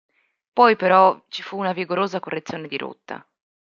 Poi però ci fu una vigorosa correzione di rotta.